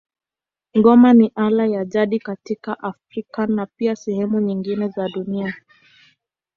Ngoma ni ala ya jadi katika Afrika na pia sehemu nyingine za dunia.